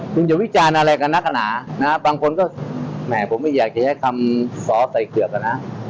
คุณจะวิจารณ์อะไรกันนักหนานะฮะบางคนก็แหมผมไม่อยากจะให้คำสอใส่เกือบอ่ะนะ